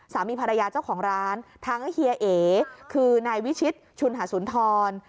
สามีภรรยาเจ้าของร้านทั้งเฮียเอคือนายวิชิตชุนหาสุนทร